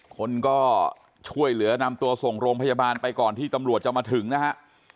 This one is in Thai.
คนก็ช่วยเหลือนำตัวส่งโรงพยาบาลไปก่อนที่ตำรวจจะมาถึงนะฮะ